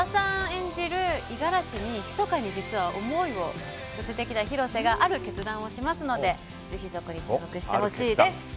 演じる五十嵐にひそかに実は思いを寄せてきた広瀬がある決断をしますのでぜひそこに注目してほしいです。